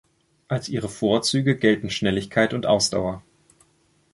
Als ihre Vorzüge gelten Schnelligkeit und Ausdauer.